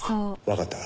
わかった。